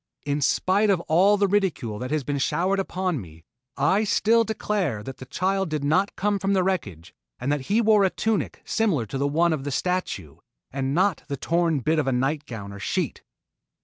In spite of all the ridicule that has been showered upon me, I still declare that the child did not come from the wreckage and that he wore a tunic similar to the one of the statue and not the torn bit of a nightgown or sheet.